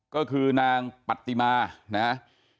ก็คือนางปัตติมานะฮะ